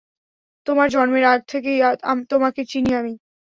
তোমার জন্মের আগে থেকেই তোমাকে চিনি আমি।